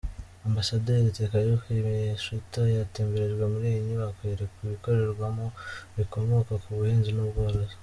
Ambasaderi Takayuki Miyashita yatemberejwe muri iyi nyubako yerekwa ibikorerwamo bikomoka ku buhinzi n'ubworozi.